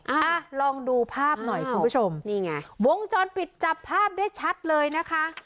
อ่ะลองดูภาพหน่อยคุณผู้ชมนี่ไงวงจรปิดจับภาพได้ชัดเลยนะคะ